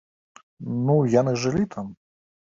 Ну, яны жылі там.